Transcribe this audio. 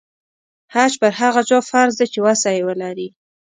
حج پر هغه چا فرض دی چې وسه یې ولري.